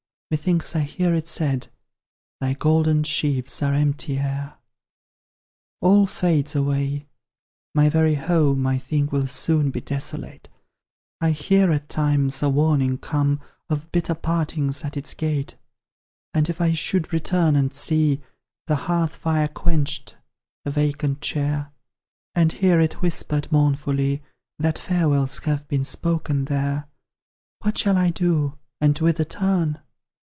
methinks I hear it said, "Thy golden sheaves are empty air." All fades away; my very home I think will soon be desolate; I hear, at times, a warning come Of bitter partings at its gate; And, if I should return and see The hearth fire quenched, the vacant chair; And hear it whispered mournfully, That farewells have been spoken there, What shall I do, and whither turn?